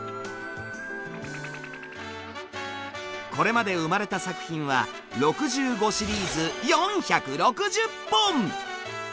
これまで生まれた作品は６５シリーズ４６０本！